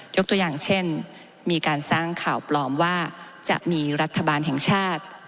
ยกตัวอย่างเช่นมีการสร้างข่าวปลอมว่าจะมีรัฐบาลแห่งชาติ